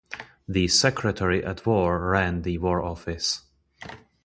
The Secretary at War ran the War Office.